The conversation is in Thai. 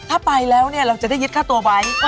ถ้าไปแล้วเราจะได้ยึดค่าตัวไว้